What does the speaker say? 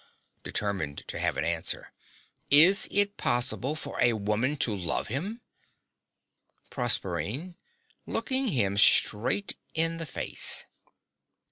(Determined to have an answer.) Is it possible for a woman to love him? PROSERPINE (looking him straight in the face.)